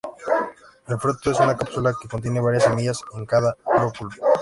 El fruto es una cápsula que contiene varias semillas en cada lóculo.